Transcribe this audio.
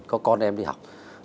có con em đi học